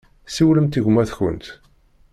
Siwlemt i gma-tkent.